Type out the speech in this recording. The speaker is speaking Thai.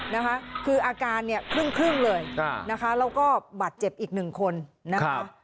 นะคะคืออาการเนี่ยครึ่งครึ่งเลยนะคะแล้วก็บาดเจ็บอีกหนึ่งคนนะคะ